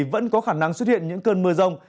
vẫn có khả năng xuất hiện những cơn mưa rông